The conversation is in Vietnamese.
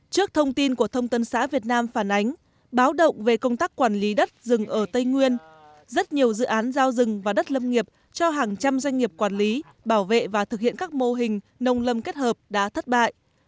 trước thông tin của thông tân xã việt nam phản ánh báo động về công tác quản lý đất rừng ở tây nguyên rất nhiều dự án giao rừng và đất lâm nghiệp cho hàng trăm doanh nghiệp quản lý bảo vệ và thực hiện các mô hình nông lâm kết hợp đã thất bại